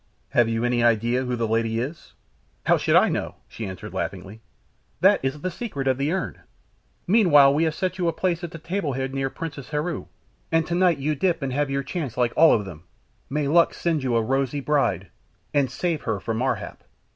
Have you any idea who the lady is?" "How should I know?" she answered laughingly. "That is the secret of the urn. Meanwhile, we have set you a place at the table head near Princess Heru, and tonight you dip and have your chance like all of them; may luck send you a rosy bride, and save her from Ar hap."